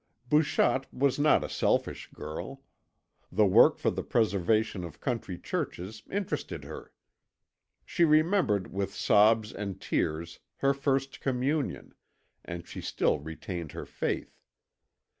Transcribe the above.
Bouchotte was not a selfish girl; the work for the preservation of country churches interested her. She remembered with sobs and tears her first communion, and she still retained her faith.